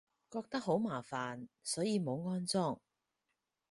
覺得好麻煩，所以冇安裝